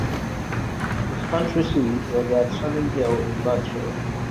His country seat was at Sunninghill in Berkshire.